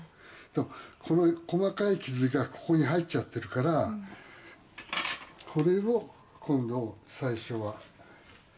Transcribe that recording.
「この細かい傷がここに入っちゃっているからこれを今度最初は」